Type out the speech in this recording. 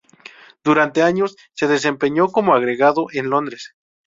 Durante años, se desempeñó como agregado en Londres.